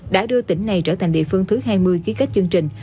đã đưa tỉnh này trở thành địa phương thứ hai mươi ký kết chương trình